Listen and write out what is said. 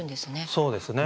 そうですね。